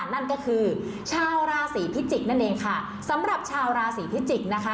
นั่นก็คือชาวราศีพิจิกษ์นั่นเองค่ะสำหรับชาวราศีพิจิกษ์นะคะ